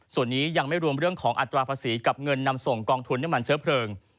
ส่วนนี้ยังไม่รวมเรื่องของอัตราภาษีกับเงินนำส่งกองทุนน้ำมันเชื้อเพลิง